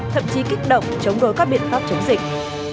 thậm chí kích động chống đối các biện pháp chống dịch